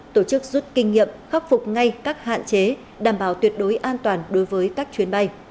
tổ chức rút kinh nghiệm khắc phục ngay các hạn chế đảm bảo tuyệt đối an toàn đối với các chuyến bay